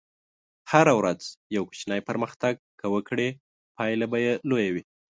هره ورځ یو کوچنی پرمختګ که وکړې، پایله به لویه وي.